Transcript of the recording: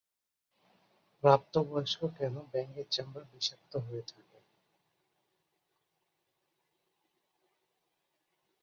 প্রাপ্তবয়স্ক কেন ব্যাঙের চামড়া বিষাক্ত হয়ে থাকে।